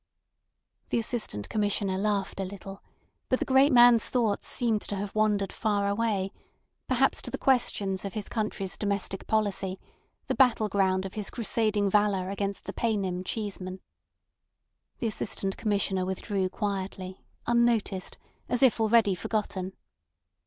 The Assistant Commissioner laughed a little; but the great man's thoughts seemed to have wandered far away, perhaps to the questions of his country's domestic policy, the battle ground of his crusading valour against the paynim Cheeseman. The Assistant Commissioner withdrew quietly, unnoticed, as if already forgotten.